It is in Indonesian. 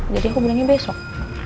jadi aku bilangnya besok